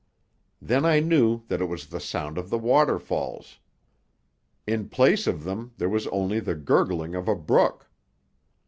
Then I knew that it was the sound of the waterfalls. In place of them there was only the gurgling of a brook.